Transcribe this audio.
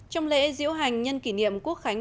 trong lễ diễu hành nhân kỷ niệm quốc khánh